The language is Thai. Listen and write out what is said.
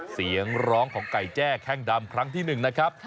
เสียงร้องของไก่แจ้แข้งดำครั้งที่๑นะครับ